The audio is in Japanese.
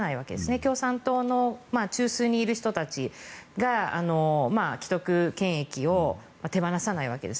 共産党の中枢にいる人たちが既得権益を手放さないわけです。